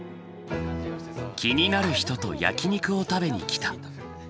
気になる人と焼き肉を食べに来た。